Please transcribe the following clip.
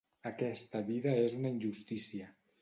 Aquesta vida es una injustícia.